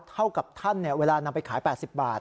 เท่ากับท่านเวลานำไปขาย๘๐บาท